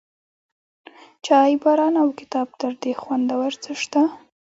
چای، باران، او کتاب، تر دې خوندور څه شته؟